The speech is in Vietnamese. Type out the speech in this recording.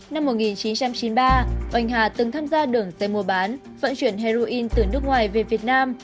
năm một nghìn chín trăm chín mươi ba oanh hà từng tham gia đường dây mua bán vận chuyển heroin từ nước ngoài về việt nam